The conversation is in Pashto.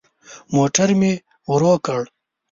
موټر مي ورو کړ .